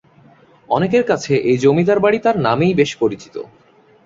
অনেকের কাছে এই জমিদার বাড়ি তার নামেই বেশ পরিচিত।